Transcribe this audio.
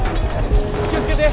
気を付けて！